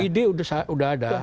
ide sudah ada